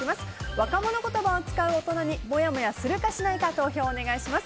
若者言葉を使う大人にもやもやするか、しないか投票お願いします。